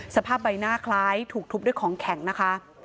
สภาพใบหน้าคล้ายถูกทุบด้วยของแข็งนะคะ